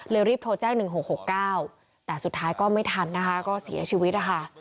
รีบโทรแจ้ง๑๖๖๙แต่สุดท้ายก็ไม่ทันนะคะก็เสียชีวิตนะคะ